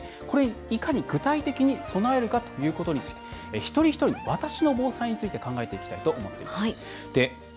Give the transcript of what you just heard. これに、いかに具体的に備えるかということについて一人一人わたしの防災について考えたいと思っています。